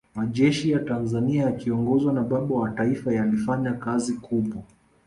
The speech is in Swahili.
majeshi ya tanzania yakiongozwa na baba wa taifa yalifanya kazi kubwa